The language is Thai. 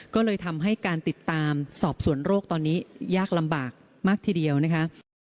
ก็เลยทำให้การติดตามสอบสวนโรคตอนนี้ยากลำบากมากทีเดียวนะคะ